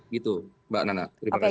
gitu mbak nana terima kasih